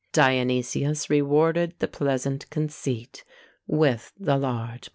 Dionysius rewarded the pleasant conceit with the large barbel.